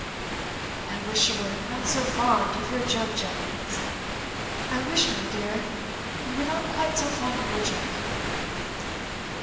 "I wish you were not so fond of your joke, Jemmy," he said. "I wish, my dear, you were not quite so fond of your joke."